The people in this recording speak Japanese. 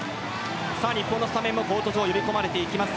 日本のスタメンもコート上に入れ込まれていきます。